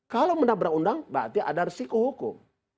kalau menabrak undang berarti ada resiko hukum